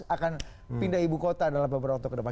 akan pindah ibu kota dalam beberapa waktu kedepan